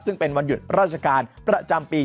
ซึ่งเป็นวันหยุดราชการประจำปี